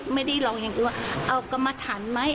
ไม่ได้ลองอย่างอื่นเอากระมะถันไหม